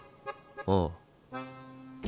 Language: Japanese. ああ。